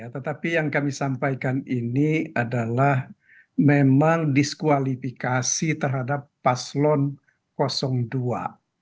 tetapi yang kami sampaikan ini adalah memang diskualifikasi terhadap paslon dua